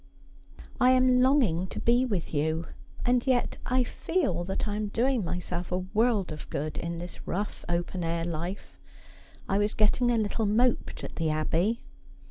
'I am longing to be v/ith you, and yet I feel that I am doing myself a world of good in this rough open air life. I was getting a little moped at the Abbey.